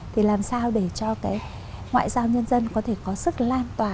thì làm sao để cho cái ngoại giao nhân dân có thể có sức lan tỏa